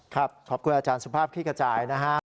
ครับขอบคุณอาจารย์สภาพพลิกชายนะฮะ